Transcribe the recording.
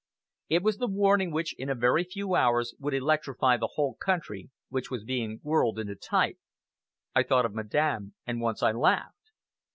It was the warning which, in a very few hours, would electrify the whole country, which was being whirled into type. I thought of Madame, and once I laughed.